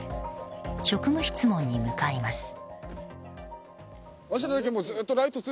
職務質問に向かいます。